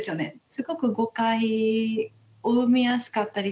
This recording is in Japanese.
すごく誤解を生みやすかったりとか。